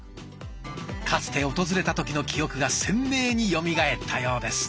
かつて訪れた時の記憶が鮮明によみがえったようです。